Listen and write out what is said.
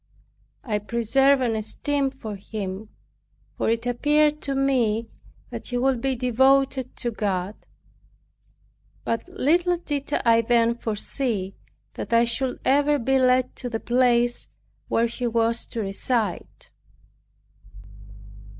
I preserved an esteem for him; for it appeared to me that he would be devoted to God; but little did I then foresee, that I should ever be led to the place where he was to reside.